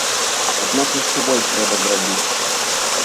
Аднак яшчэ больш трэба зрабіць.